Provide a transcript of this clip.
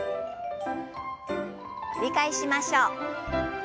繰り返しましょう。